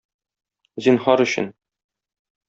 Зинһар өчен...